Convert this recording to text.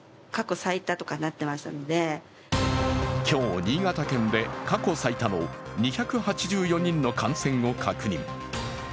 今日、新潟県で過去最多の２８４人の感染を確認。